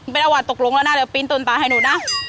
เป็นเอาหวัดตกลงแล้วนะปีนตนตานให้หนูนะ